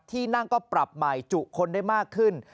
ที่นั่งก็ปรับใหม่จุคนได้มากขึ้น